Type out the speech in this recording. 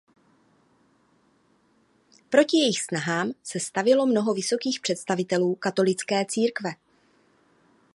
Proti jejich snahám se stavělo mnoho vysokých představitelů katolické církve.